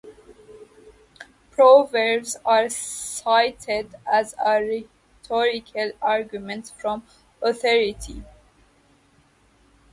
Proverbs are cited as a rhetorical argument from authority.